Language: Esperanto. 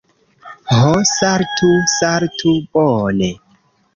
Ho, saltu! Saltu! Bone.